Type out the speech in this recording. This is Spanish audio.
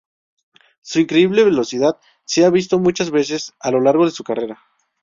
Su increíble velocidad se ha visto muchas veces a lo largo de su carrera.